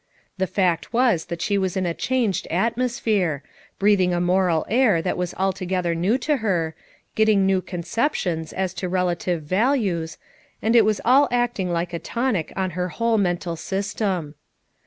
The fact was that she was in a changed atmosphere; breathing a moral air that was altogether new to her, getting new conceptions as to relative values, and it was all acting like a tonic on her whole mental system.